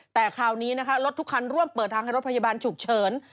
แต่คราวนี้นะคะรถทุกคันร่วมเปิดทางให้รถพยาบาลฉุกเฉิน